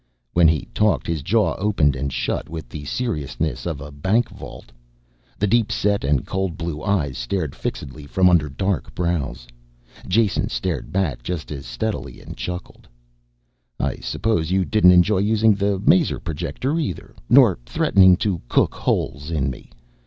When he talked his jaw opened and shut with the seriousness of a bank vault. The deep set and cold blue eyes stared fixedly from under dark brows. Jason stared back just as steadily and chuckled. "I suppose you didn't enjoy using the maser projector either, nor threatening to cook holes in me.